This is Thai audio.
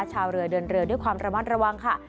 ชาวเรือเดินเรือด้วยความระมัดระวังค่ะ